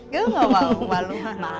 gue gak mau malu malu